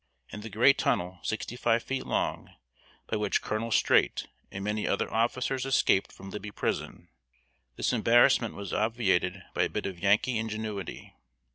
In the great tunnel sixty five feet long, by which Colonel Streight and many other officers escaped from Libby prison, this embarrassment was obviated by a bit of Yankee ingenuity.